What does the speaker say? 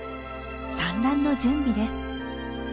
産卵の準備です。